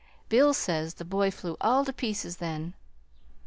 "Bill says the boy flew all to pieces then.